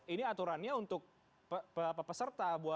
ini aturannya untuk peserta